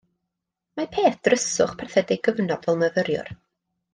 Mae peth dryswch parthed ei gyfnod fel myfyriwr.